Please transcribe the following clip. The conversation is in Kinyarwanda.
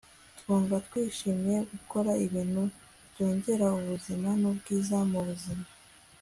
twumva twishimiye gukora ibintu byongera ubuzima n'ubwiza mu buzima